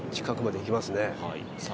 近くまでいきますね。